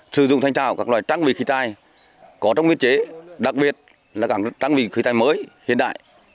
sử dụng thanh trao các loại trang bị khí tai có trong nguyên chế đặc biệt là các trang bị khí tai mới hiện đại